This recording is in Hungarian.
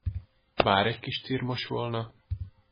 Bár egy kis cirmos volna!